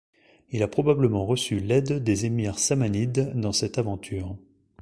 Il a probablement reçu l'aide des émirs Samanides dans cette aventure.